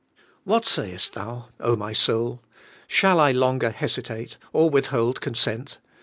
What say est thou, my soul? Shall I longer hesitate, or withhold consent?